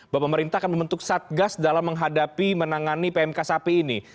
bahwa pemerintah akan membentuk satgas dalam menghadapi menangani pmk sapi ini